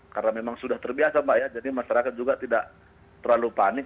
karena memang sudah terbiasa mbak ya jadi masyarakat juga tidak terlalu panik